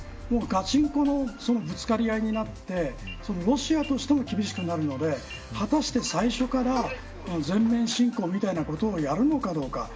もうガチンコのぶつかり合いになってロシアとしても厳しくなるので果たして、最初から全面侵攻みたいなことをやるのかどうか。